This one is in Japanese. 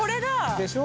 ◆でしょう？